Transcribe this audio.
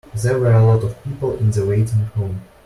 There were a lot of people in the waiting room.